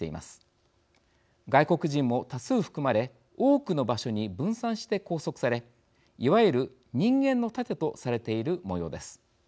外国人も多数含まれ多くの場所に分散して拘束されいわゆる人間の盾とされているもようです。